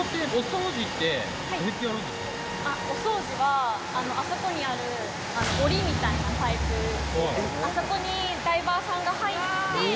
お掃除は、あそこにある檻みたいなパイプ、あそこにダイバーさんが入って。